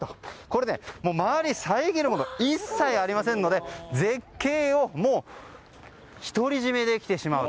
これ、周りを遮るものが一切ありませんので絶景を独り占めできてしまう。